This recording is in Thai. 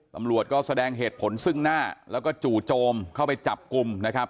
ตำรวจก็แสดงเหตุผลซึ่งหน้าแล้วก็จู่โจมเข้าไปจับกลุ่มนะครับ